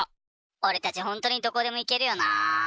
俺たち本当にどこでも行けるよなー。